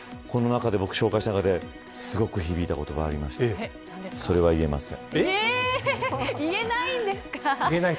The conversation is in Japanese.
紹介された中ですごく響いた言葉がありましてそれは言えません。